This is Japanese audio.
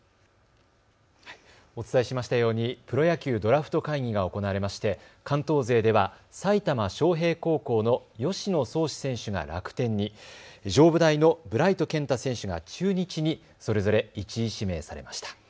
お伝えしましたようにプロ野球ドラフト会議が行われまして関東勢では埼玉昌平高校の吉野創士選手は楽天に、上武大のブライト健太選手が中日に、それぞれ１位指名されました。